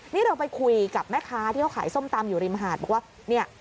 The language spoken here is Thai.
นี่เราไปคุยกับแม่ค้าที่เขาขายส้มตำอยู่ริมหาดบอกว่าเนี่ย